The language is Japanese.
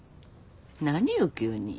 何よ急に。